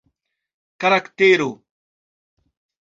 karaktero